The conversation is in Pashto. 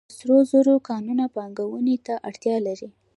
د سرو زرو کانونه پانګونې ته اړتیا لري